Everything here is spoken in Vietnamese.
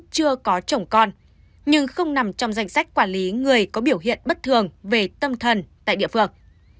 chưa có chồng con nhưng không nằm trong danh sách quản lý người có biểu hiện bất thường về tâm thần tại địa phương